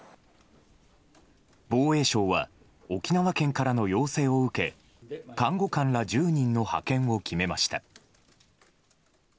防衛省は沖縄県からの要請を受け看護官ら１０人の派遣を決めました。